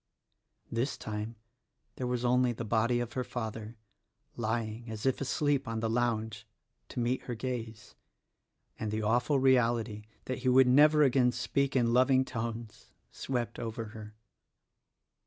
This time there was only the body of her father — lying as if asleep on the lounge — to meet her gaze; and the awful reality that he would never again speak in loving tones, swept over her.